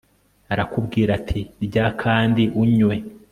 arakubwira ati rya kandi unywe